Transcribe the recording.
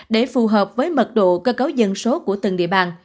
để phù hợp với mật độ cơ cấu dân số của từng địa bàn